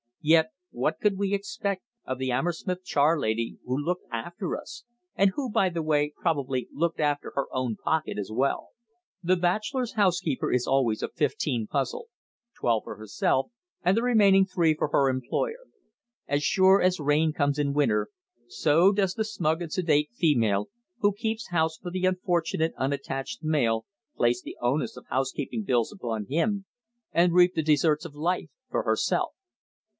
Yet what could we expect of the 'Ammersmith charlady who looked after us? and who, by the way, probably looked after her own pocket as well. The bachelor's housekeeper is always a fifteen puzzle twelve for herself and the remaining three for her employer. As sure as rain comes in winter, so does the smug and sedate female who keeps house for the unfortunate unattached male place the onus of housekeeping bills upon him and reap the desserts of life for herself.